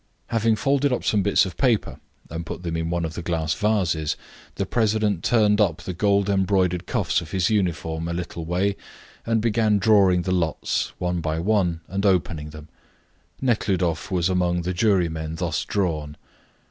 Having folded up some bits of paper and put them in one of the glass vases, the president turned up the gold embroidered cuffs of his uniform a little way, and began drawing the lots, one by one, and opening them. Nekhludoff was among the jurymen thus drawn.